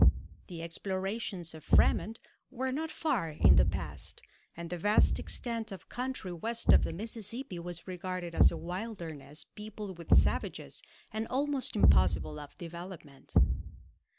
The explorations of Frémont were not far in the past, and the vast extent of country west of the Mississippi was regarded as a wilderness peopled with savages and almost impossible of development.